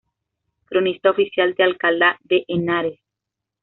Cronista oficial de Alcalá de Henares.